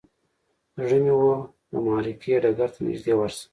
زړه مې و د معرکې ډګر ته نږدې ورشم.